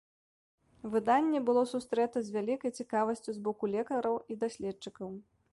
Выданне было сустрэта з вялікай цікавасцю з боку лекараў і даследчыкаў.